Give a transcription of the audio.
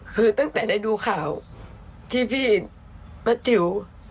คือตั้งแต่ได้ดูข่าวที่พี่ป้าติ๋ว